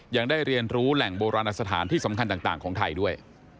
ยังได้เรียนรู้แหล่งโบราณสถานที่สำคัญต่างของไทยด้วย